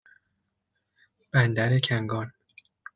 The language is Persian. بندر کنگان